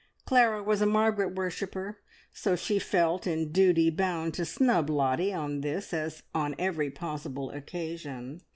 Clara was a Margaret worshipper, so she felt in duty bound to snub Lottie on this as on every possible occasion.